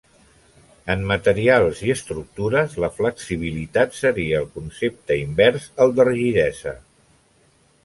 En materials i estructures la flexibilitat seria el concepte invers al de rigidesa.